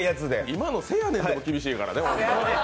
いまのせやねんでも厳しいからな。